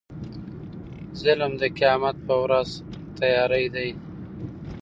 ظلم د قيامت په ورځ تيارې دي